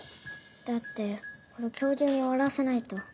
だってこれ今日中に終わらせないと。